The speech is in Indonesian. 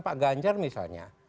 pak ganjar misalnya